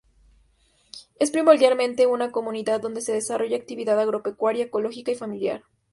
Es primordialmente una comunidad donde se desarrolla actividad agropecuaria ecológica y familiar.